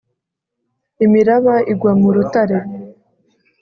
imiraba igwa mu rutare.